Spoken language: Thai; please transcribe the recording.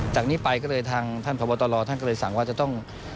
จากนี้ไปก็เลยทางท่านพบตรท่านก็เลยสั่งว่าจะต้อง